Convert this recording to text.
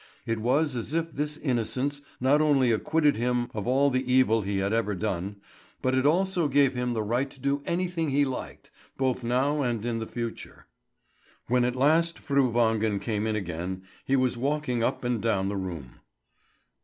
It was as if this innocence not only acquitted him of all the evil he had ever done, but it also gave him the right to do anything he liked, both now and in the future. When at last Fru Wangen came in again, he was walking up and down the room.